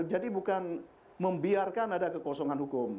jadi bukan membiarkan ada kekosongan hukum